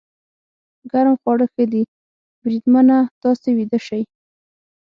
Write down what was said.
ګرم خواړه ښه دي، بریدمنه، تاسې ویده شئ.